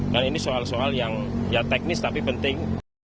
dan ini soal soal yang ya teknis tapi penting